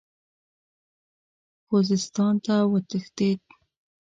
خوزستان ته وتښتېد.